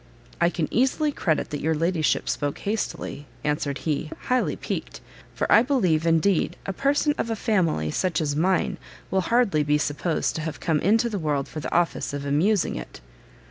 "I can easily credit that your ladyship spoke hastily," answered he, highly piqued, "for I believe, indeed, a person of a family such as mine, will hardly be supposed to have come into the world for the office of amusing it!"